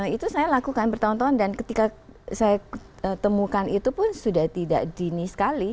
itu saya lakukan bertahun tahun dan ketika saya temukan itu pun sudah tidak dini sekali